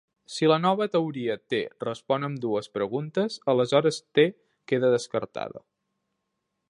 Si la nova teoria T respon ambdues preguntes, aleshores T queda descartada.